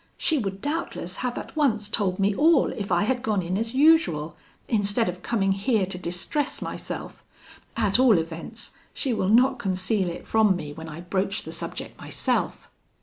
She would doubtless have at once told me all, if I had gone in as usual, instead of coming here to distress myself: at all events, she will not conceal it from me when I broach the subject myself.'